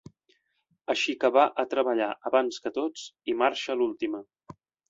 Així que va a treballar abans que tots i marxa l'última.